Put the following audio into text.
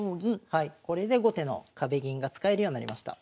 はいこれで後手の壁銀が使えるようになりました。